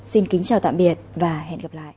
xin kính chào tạm biệt và hẹn gặp lại